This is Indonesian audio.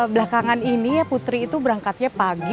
belakangan ini ya putri itu berangkatnya pagi